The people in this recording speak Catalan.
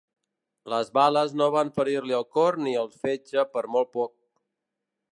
Les bales no van ferir-li el cor ni el fetge per molt poc.